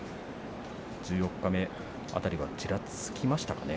十四日目辺りはちらつきましたか？